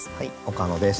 岡野です。